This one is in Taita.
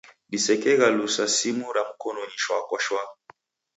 Disekeghalusa simu ra mkonunyi shwa kwa shwa.